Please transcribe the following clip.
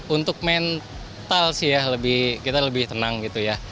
untuk mental sih ya kita lebih tenang gitu ya